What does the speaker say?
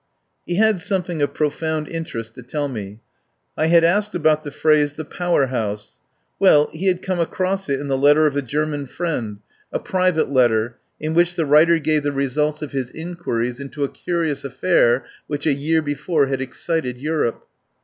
He had something of profound interest to tell me. I had asked about the phrase, the "Power House." Well, he had come across it in the letter of a German friend, a private letter, in which the writer gave the results of 124 I TAKE A PARTNER his inquiries into a curious affair which a year before had excited Europe.